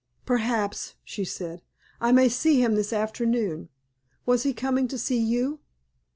"Perhaps," she said, "I may see him this afternoon. Was he coming to see you?"